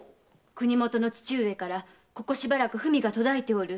国もとの父上からここしばらく文が途絶えておる。